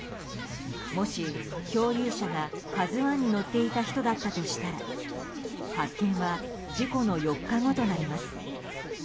もし、漂流者が「ＫＡＺＵ１」に乗っていた人だったとしたら発見は事故の４日後となります。